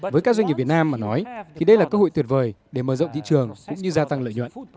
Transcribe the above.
với các doanh nghiệp việt nam mà nói thì đây là cơ hội tuyệt vời để mở rộng thị trường cũng như gia tăng lợi nhuận